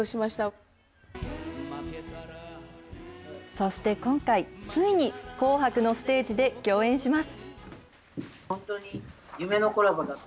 そして今回、ついに紅白のステージで共演します。